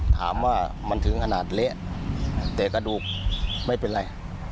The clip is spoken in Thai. ถามว่ามันถึงขนาดเละแต่กระดูกไม่เป็นไร